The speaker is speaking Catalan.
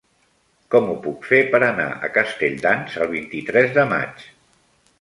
Com ho puc fer per anar a Castelldans el vint-i-tres de maig?